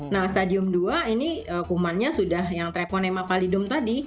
nah stadium dua ini kumannya sudah yang treponema kalidum tadi